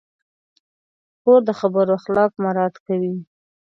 خور د خبرو اخلاق مراعت کوي.